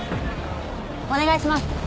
お願いします。